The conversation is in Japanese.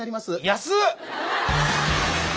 安っ！